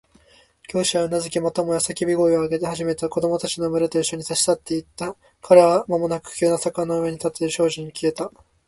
教師はうなずき、またもや叫び声を上げ始めた子供たちのむれといっしょに、立ち去っていった。彼らはまもなく急な坂になっている小路のうちに消えた。